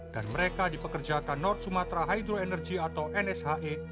dan mereka dipekerjakan north sumatra hydro energy atau nshe